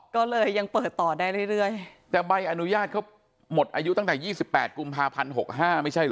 ก็เลยยังเปิดต่อได้เรื่อยเรื่อยแต่ใบอนุญาตเขาหมดอายุตั้งแต่ยี่สิบแปดกุมภาพันธ์หกห้าไม่ใช่เหรอ